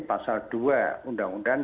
pasal dua undang undang